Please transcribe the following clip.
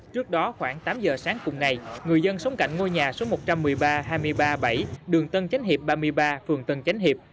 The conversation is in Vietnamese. trước đó khoảng tám giờ sáng cùng ngày người dân sống cạnh ngôi nhà số một trăm một mươi ba hai mươi ba bảy đường tân chánh hiệp ba mươi ba phường tân chánh hiệp